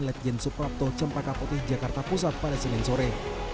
legend suprapto cempaka putih jakarta pusat pada senin sore